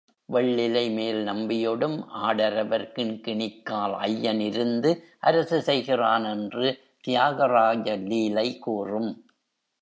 வெள்ளிலை வேல் நம்பியொடும் ஆடரவர் கிண்கிணிக் கால் ஐயன் இருந்து அரசு செய்கிறான் என்று தியாகராஜ லீலை கூறும்.